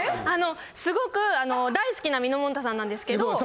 あのすごく大好きなみのもんたさんなんですけど。